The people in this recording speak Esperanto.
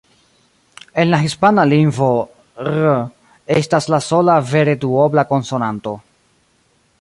En la hispana lingvo "rr" estas la sola vere duobla konsonanto.